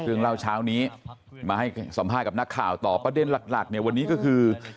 เล่าเช้านี้มาให้สัมภาษณ์กับนักข่าวต่อประเด็นหลักเนี่ยวันนี้ก็คือ